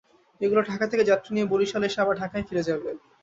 এগুলো ঢাকা থেকে যাত্রী নিয়ে বরিশালে এসে আবার ঢাকায় ফিরে যাবে।